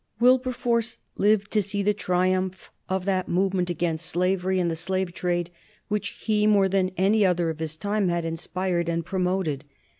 Wilberforce lived to see the triumph of that movement against slavery and the slave trade which he, more than any other of his time, had inspired and promoted.